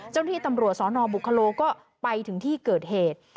ที่ตำรวจสนบุคโลก็ไปถึงที่เกิดเหตุ